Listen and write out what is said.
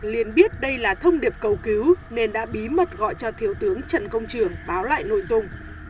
liên biết đây là thông điệp cầu cứu nên đã bí mật gọi cho thiếu tướng trần công trường báo lại nội dung